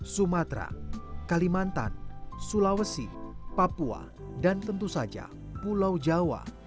sumatera kalimantan sulawesi papua dan tentu saja pulau jawa